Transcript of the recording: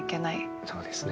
そうですね。